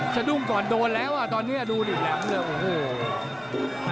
สะดุ้งก่อนโดนแล้วอ่ะตอนนี้ดูดิแหลมเลยโอ้โห